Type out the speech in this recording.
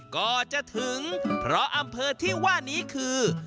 ก็จะถึงเพราะอำเภอที่ว่านี้คือ